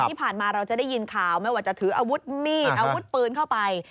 ที่ผ่านมาเราจะได้ยินข่าวไม่ว่าจะถืออาวุธมีดอาวุธปืนเข้าไป